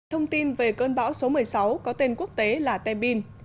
thông tin về cơn bão số một mươi sáu có tên quốc tế là tebin